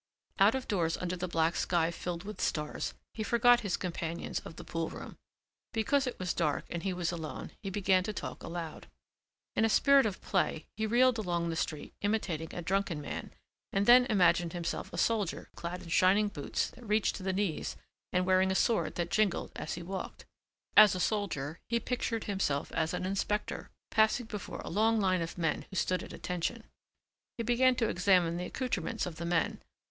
Out of doors under the black sky filled with stars he forgot his companions of the pool room. Because it was dark and he was alone he began to talk aloud. In a spirit of play he reeled along the street imitating a drunken man and then imagined himself a soldier clad in shining boots that reached to the knees and wearing a sword that jingled as he walked. As a soldier he pictured himself as an inspector, passing before a long line of men who stood at attention. He began to examine the accoutrements of the men.